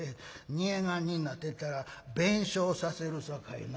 煮燗になってたら弁償させるさかいな。